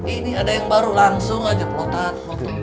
ini ada yang baru langsung aja blotan